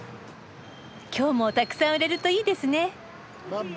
今日もたくさん売れるといいですね。